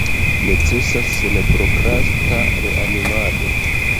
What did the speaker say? Necesas senprokrasta reanimado.